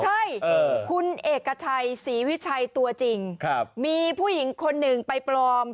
ใช่เออคุณเอกชัยสีวิชัยตัวจริงครับมีผู้หญิงคนนึงไปปลอม